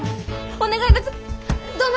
お願いだす。